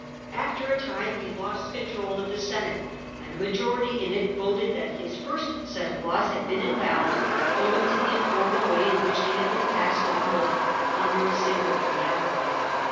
After a time he lost the control of the Senate, and a majority in it voted that his first set of laws had been invalid, owing to the informal way in which they had been passed en Uoc under a single preamble.